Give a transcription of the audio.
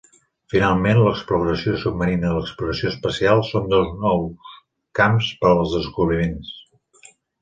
Finalment, l'exploració submarina i l'exploració espacial són dos nous camps per als descobriments.